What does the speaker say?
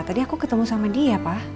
tadi aku ketemu sama dia pak